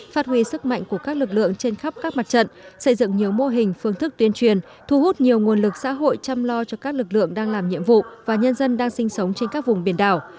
phát huy sức mạnh của các lực lượng trên khắp các mặt trận xây dựng nhiều mô hình phương thức tuyên truyền thu hút nhiều nguồn lực xã hội chăm lo cho các lực lượng đang làm nhiệm vụ và nhân dân đang sinh sống trên các vùng biển đảo